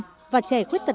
đều có sự thay đổi rõ rệt